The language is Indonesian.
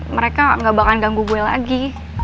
mereka gak bakal ganggu gue lagi